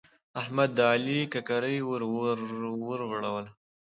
احمد د علي ککرۍ ور ورغړوله.